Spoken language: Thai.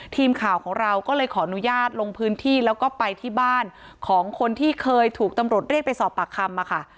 ทีมข่าวของเราก็เลยขออนุญาตลงพื้นที่แล้วก็ไปที่บ้านของคนที่เคยถูกตำรวจเรียกไปสอบปากคำมาค่ะ